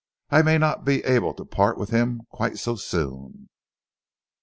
I may not be able to part with him quite so soon."